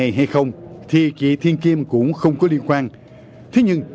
thế nhưng chị thiên kim cũng đã trở thành một đối tượng